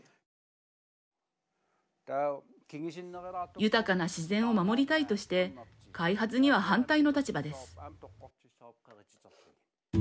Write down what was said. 豊かな自然を守りたいとして開発には反対の立場です。